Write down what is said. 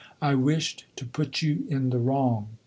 I wished to put you in the wrong."